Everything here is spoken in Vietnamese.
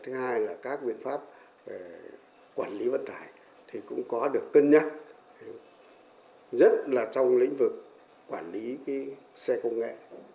thứ hai là các biện pháp về quản lý vận tải thì cũng có được cân nhắc rất là trong lĩnh vực quản lý xe công nghệ